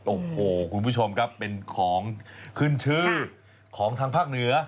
โอ้โหคุณผู้ชมครับเป็นของขึ้นชื่อของทางภาคเหนือ